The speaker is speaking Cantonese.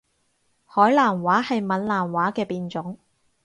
海南話係閩南話嘅變種